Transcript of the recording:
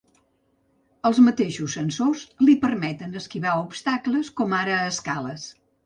Els mateixos sensors li permeten esquivar obstacles com ara escales.